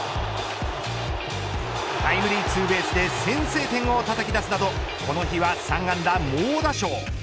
タイムリーツーベースで先制点をたたき出すなどこの日は３安打猛打賞。